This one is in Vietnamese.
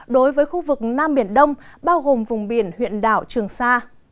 đối với khu vực nam biển đông bao gồm vùng biển huyện đảo trường sa